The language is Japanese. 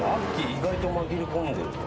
意外と紛れ込んでるぞ。